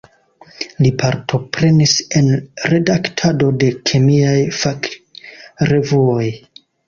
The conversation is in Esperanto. Li partoprenis en redaktado de kemiaj fakrevuoj.